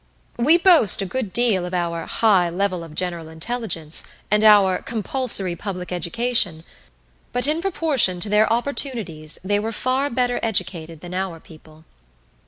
We boast a good deal of our "high level of general intelligence" and our "compulsory public education," but in proportion to their opportunities they were far better educated than our people.